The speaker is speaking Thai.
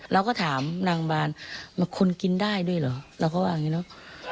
เราก็ถามนางบานคนกินได้ด้วยเหรอเราก็ว่าอย่างนี้เนอะ